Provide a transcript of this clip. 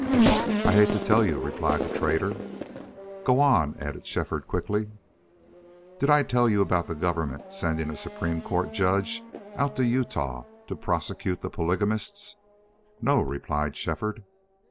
"I hate to tell you," replied the trader. "Go on," added Shefford, quickly. "Did I tell you about the government sending a Supreme Court judge out to Utah to prosecute the polygamists?" "No," replied Shefford.